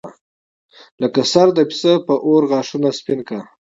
لکه سر د پسه په اور غاښونه سپین کا.